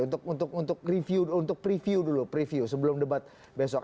untuk preview dulu preview sebelum debat besok